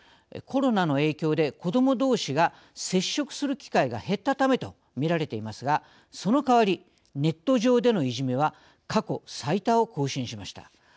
コロナの影響で子どもどうしが接触する機会が減ったためとみられていますがその代わりネット上でのいじめは過去最多を更新しました。